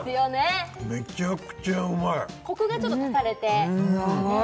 めちゃくちゃうまいコクがちょっと足されてヤバい！